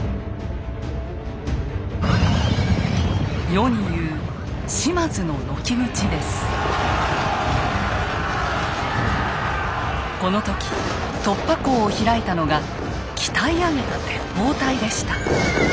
世に言うこの時突破口を開いたのが鍛え上げた鉄砲隊でした。